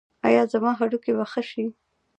ایا زما هډوکي به ښه شي؟